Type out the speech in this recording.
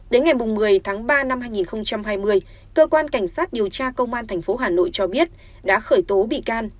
đến ngày một mươi tháng ba năm hai nghìn hai mươi cơ quan cảnh sát điều tra công an tp hà nội cho biết đã khởi tố bị can